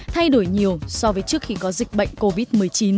thay đổi nhiều so với trước khi có dịch bệnh covid một mươi chín